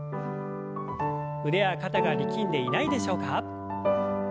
腕や肩が力んでいないでしょうか？